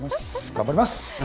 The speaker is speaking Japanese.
頑張ります。